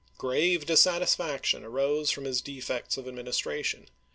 Grave dissatisfaction arose from his de fects of administration.